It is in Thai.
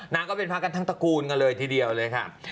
ก็เป็นพระกันทั้งตระกูลกันเลยทีเดียวเลยค่ะ